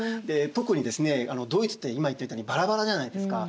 特にですねドイツって今言ってたようにバラバラじゃないですか。